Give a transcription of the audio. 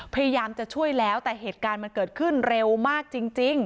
พยายามจะช่วยแล้วแต่เหตุการณ์มันเกิดขึ้นเร็วมากจริง